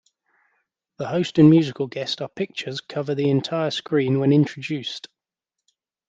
The host and musical guest are pictures cover the entire screen when introduced.